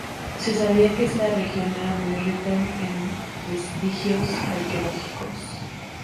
Se sabía que esta región era muy rica en vestigios arqueológicos.